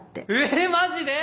えマジで？